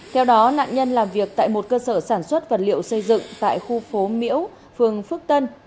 theo đó nạn nhân làm việc tại một cơ sở sản xuất vật liệu xây dựng tại khu phố miễu phường phước tân